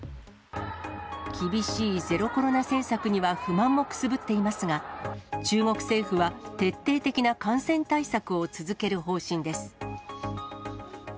厳しいゼロコロナ政策には不満もくすぶっていますが、中国政府は、徹底的な感染対策を続ける方針です。